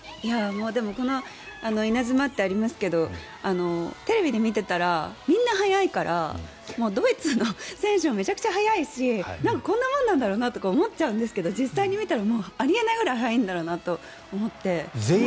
このイナズマってありますがテレビで見ていたらみんな速いからドイツの選手もめちゃくちゃ速いしこんなもんだろうなと思っちゃうんですが実際に見たらあり得ないぐらい速いんだろうなと思って。